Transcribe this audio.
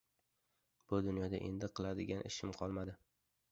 Bu dunyoda endi qiladigan ishim qolmadi.